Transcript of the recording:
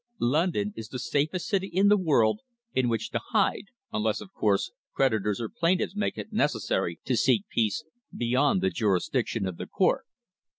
London is the safest city in the world in which to hide, unless, of course, creditors or plaintiffs make it necessary to seek peace "beyond the jurisdiction of the Court."